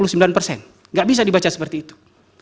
tidak bisa dibaca seperti itu